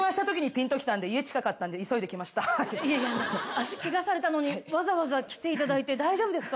足ケガされたのにわざわざ来ていただいて大丈夫ですか？